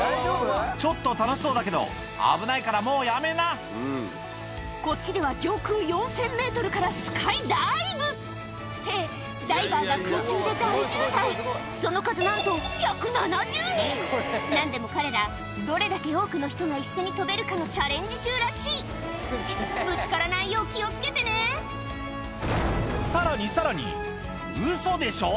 ちょっと楽しそうだけど危ないからもうやめなこっちでは上空４０００ｍからスカイダイブ！ってダイバーが空中で大渋滞その数なんと何でも彼らどれだけ多くの人が一緒に飛べるかのチャレンジ中らしいぶつからないよう気を付けてねさらにさらにウソでしょ！